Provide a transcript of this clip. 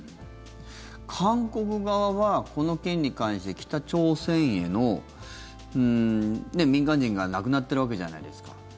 韓国側はこの件に関して北朝鮮への民間人が亡くなっているわけじゃないですか。